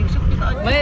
uống xuống ống rồi à